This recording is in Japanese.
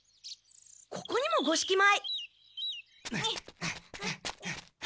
ここにも五色米。